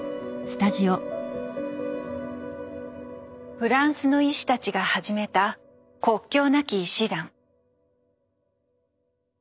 フランスの医師たちが始めた国境なき医師団。